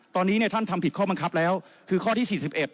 ตอนนี้เนี่ยท่านทำผิดข้อบังคับแล้วคือข้อที่๔๑